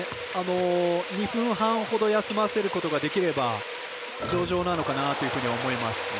２分半ほど休ませることができれば上々なのかなと思います。